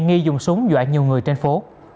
nghi dùng súng dọa nhiều người trên phố